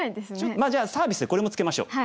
まあじゃあサービスでこれもつけましょう。